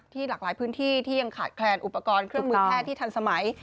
หลากหลายพื้นที่ที่ยังขาดแคลนอุปกรณ์เครื่องมือแพทย์ที่ทันสมัย